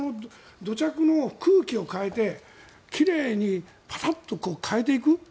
土着の空気を変えて奇麗にパタッと変えていく。